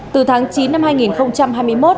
từ tháng chín năm hai nghìn hai mươi một